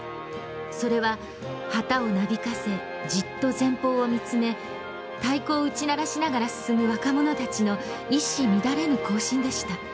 それは旗をなびかせじっと前方を見つめ太鼓を打ち鳴らしながら進む若者たちの一糸乱れぬ行進でした。